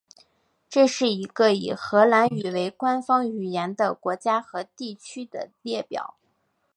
这是一个以荷兰语为官方语言的国家和地区的列表。